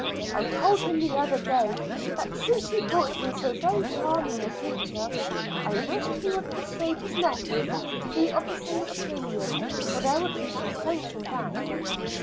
I told him the other day, that since he thought me so very charming a creature, I wished he would persuade his nephew to be of the same opinion, for there would be some sense in that.'